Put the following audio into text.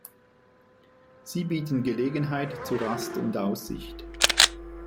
Sie bieten Gelegenheit zu Rast und Aussicht.